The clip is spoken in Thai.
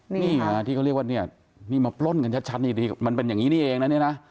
นี่มันมาปล่นกันชัดอย่างนี้เองนะ